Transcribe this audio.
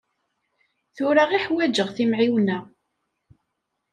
Tura i ḥwaǧeɣ timɛiwna.